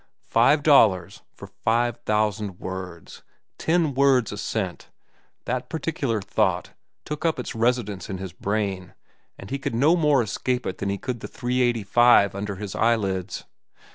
Five dollars for five thousand words, ten words for a cent—that particular thought took up its residence in his brain, and he could no more escape it than he could the "$3.85" under his eyelids.